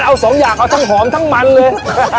เอาสองอย่างเอาทั้งหอมทั้งมันเลย